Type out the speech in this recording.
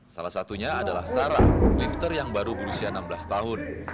salah satunya adalah sarah lifter yang baru berusia enam belas tahun